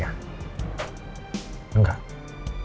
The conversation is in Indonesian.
aku gak mau ninggalin kamu sendiri